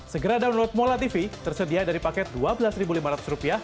segera download mola tv tersedia dari paket rp dua belas lima ratus